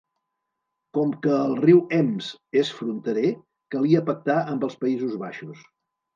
Com que el riu Ems és fronterer, calia pactar amb els Països Baixos.